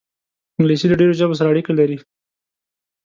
انګلیسي له ډېرو ژبو سره اړیکه لري